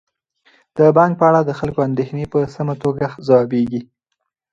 د بانک په اړه د خلکو اندیښنې په سمه توګه ځوابیږي.